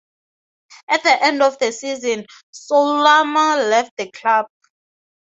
At the end of the season Soulama left the club.